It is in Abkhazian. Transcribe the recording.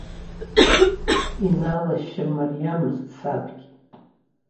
Инаалашьа мариамызт сабгьы.